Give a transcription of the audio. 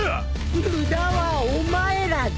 無駄はお前らだ。